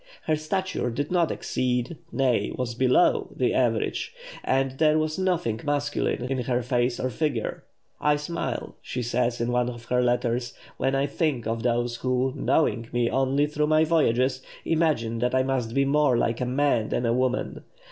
Her stature did not exceed nay, was below the average, and there was nothing masculine in her face or figure. "I smile," she says in one of her letters, "when I think of those who, knowing me only through my voyages, imagine that I must be more like a man than a woman!